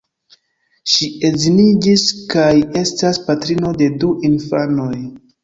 Ŝi edziniĝis kaj estas patrino de du infanoj.